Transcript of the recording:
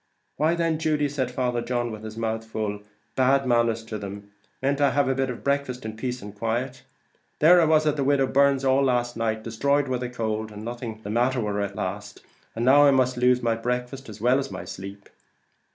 "Why, then, Judy," said Father John, with his mouth full, "bad manners to them; mayn't I eat a bit of breakfast in peace and quiet? There was I at the widow Byrne's all night, destroyed with the cold, and nothing the matter with her at last, and now I must lose my breakfast, as well as my sleep."